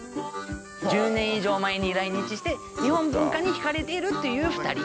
１０年以上前に来日して日本文化に惹かれているという２人。